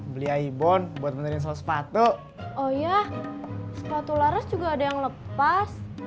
beli ibon buat menerima sepatu oh ya sepatu loris juga ada yang lepas